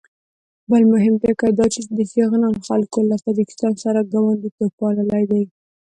بل مهم ټکی دا چې د شغنان خلکو له تاجکستان سره ګاونډیتوب پاللی دی.